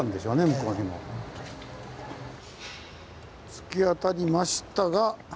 突き当たりましたが。